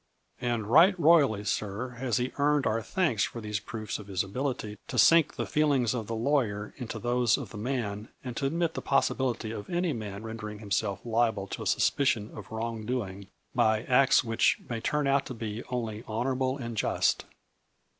" And right royally, sir, has he earned our thanks for these proofs of his ability to sink the feelings of the lawyer into those of the man and to admit the possibility of any man render, ing himself liable to a suspicion of wrong doing by acts which may turn out to be only honor able and just."